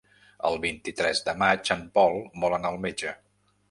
El vint-i-tres de maig en Pol vol anar al metge.